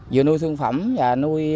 vừa nuôi thương phẩm và nuôi bệnh